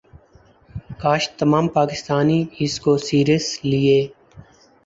کاش تمام پاکستانی اس کو سیرس لیے